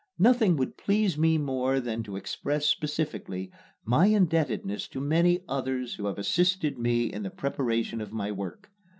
Nothing would please me more than to express specifically my indebtedness to many others who have assisted me in the preparation of my work.